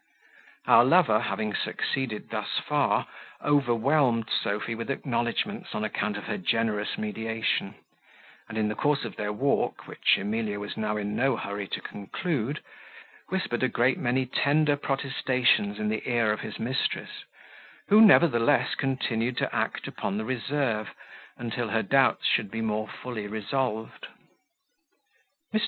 Our lover, having succeeded thus far, overwhelmed Sophy with acknowledgments on account of her generous mediation; and in the course of their walk, which Emilia was now in no hurry to conclude, whispered a great many tender protestations in the ear of his mistress, who nevertheless continued to act upon the reserve, until her doubts should be more fully resolved. Mr.